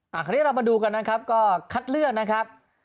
อันนี้เรามาดูกันนะครับก็คัดเลือกนะครับ